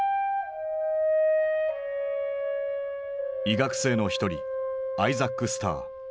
医学生の一人アイザック・スター。